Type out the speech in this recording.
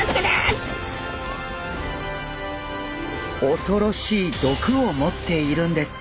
恐ろしい毒を持っているんです。